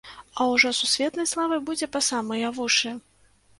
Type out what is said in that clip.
А ўжо сусветнай славы будзе па самыя вушы.